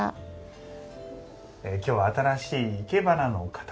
今日は新しいいけばなの形。